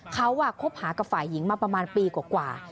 เขาคบหากับฝ่ายหญิงมาประมาณปีกว่า